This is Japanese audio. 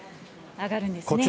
上がるんですね。